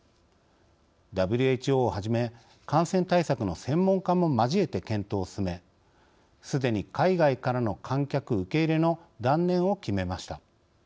ＷＨＯをはじめ感染対策の専門家も交えて検討を進め、すでに海外からの観客受け入れの断念を決めました。